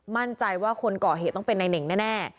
มั่นใจว่าคนก่อเหตุต้องเป็นนายเน่งแน่